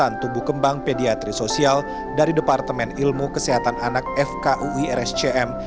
kesehatan tubuh kembang pediatri sosial dari departemen ilmu kesehatan anak fkuirscm